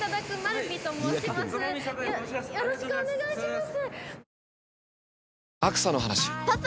よろしくお願いします。